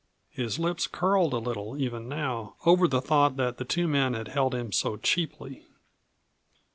His lips curled a little even now over the thought that the two men had held him so cheaply.